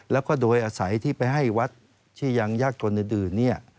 แล้วก็โดยอาศัยที่ไปให้วัดที่ยังยากจนอื่น